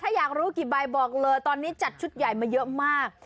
ถ้าอยากรู้กี่ใบบอกเลยตอนนี้จัดชุดใหญ่มาเยอะมาก